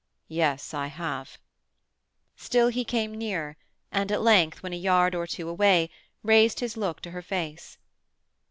"Yes, I have." Still he came nearer, and at length, when a yard or two away, raised his look to her face.